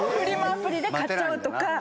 アプリで買っちゃうとか。